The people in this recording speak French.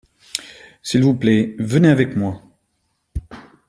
S’il vous plait venez avec moi.